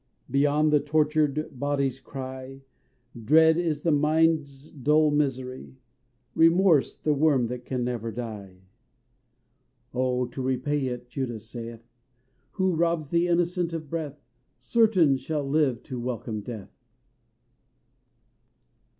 Beyond the tortured body's cry Dread is the mind's dull misery; Remorse, the worm, can never die. 'Oh to repay it,' Judas saith: Who robs the innocent of breath, Certain shall live to welcome death.